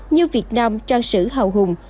như việt nam trang sử hào hùng